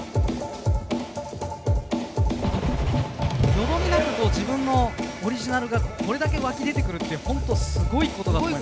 よどみなく自分のオリジナルがこれだけ湧き出てくるって本当すごいことだと思います。